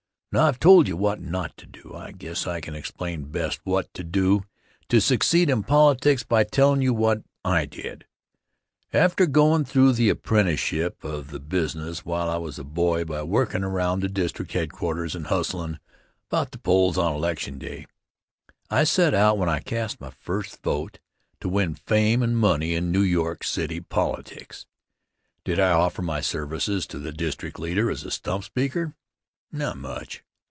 Now, I've told you what not to do; I guess I can explain best what to do to succeed in politics by tellin' you what I did. After goin' through the apprenticeship of the business while I was a boy by workin' around the district headquarters and hustlin' about the polls on election day, I set out when I cast my first vote to win fame and money in New York City politics. Did I offer my services to the district leader as a stump speaker? Not much.